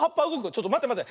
ちょっとまてまて！